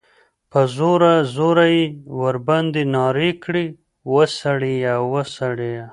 په زوره، زوره ئی ورباندي نارې کړې ، وسړیه! وسړیه!